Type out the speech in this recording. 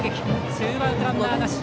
ツーアウト、ランナーなし。